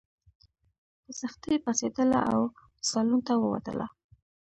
په سختۍ پاڅېدله او سالون ته ووتله.